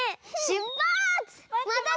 しゅっぱつ！